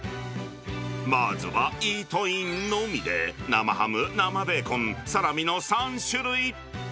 まずはイートインのみで、生ハム、生ベーコン、サラミの３種類。